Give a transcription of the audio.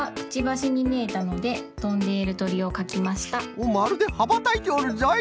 おっまるではばたいておるぞい！